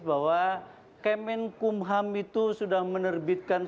bahwa kemenkumham itu sudah menerbitkan